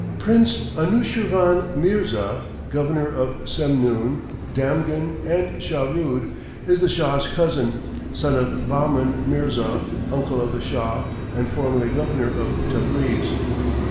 Prince Anushirvan Mirza, Governor of Semnoon, Damghan, and Shahrood, is the Shah's cousin, son of Baahman Mirza, uncle of the Shah, and formerly Governor of Tabreez.